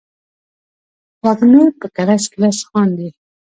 وږمې په کړس، کړس خاندي